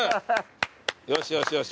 よしよしよし。